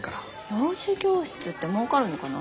幼児教室ってもうかるのかな？